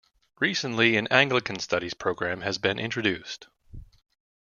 Recently an Anglican Studies Programme has been introduced.